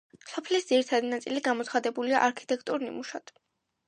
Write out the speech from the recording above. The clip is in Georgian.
სოფლის ძირითადი ნაწილი გამოცხადებულია არქიტექტურულ ნიმუშად.